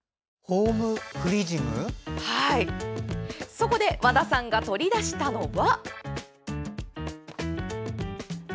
そこで、和田さんが取り出したのは。